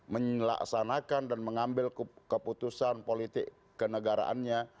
melaksanakan dan mengambil keputusan politik kenegaraannya